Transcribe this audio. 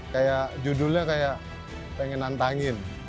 kayak judulnya kayak pengen nantangin